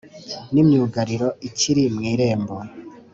n’imyugariro ikiri mu irembo,